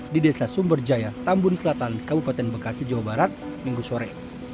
di desa sumberjaya tambun selatan kabupaten bekasi jawa barat minggu sore